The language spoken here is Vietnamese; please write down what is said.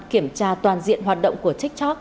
kiểm tra toàn diện hoạt động của tiktok